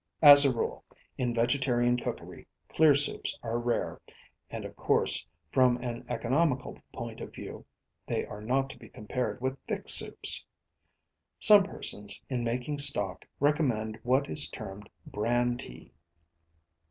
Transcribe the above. As a rule, in vegetarian cookery clear soups are rare, and, of course, from an economical point of view, they are not to be compared with thick soups. Some persons, in making stock, recommend what is termed bran tea.